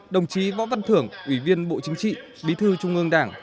đồng chí võ văn thưởng ủy viên bộ chính trị bí thư trung ương đảng